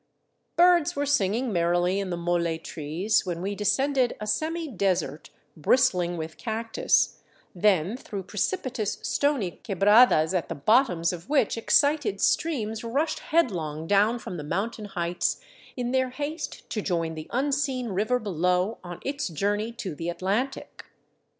Birds were singing merrily in the molle trees when we descended a semi desert bristling with cactus, then through precipitous stony que bradas at the bottoms of which excited streams rushed headlong down from the mountain heights in their haste to join the unseen river below on its journey to the Atlantic.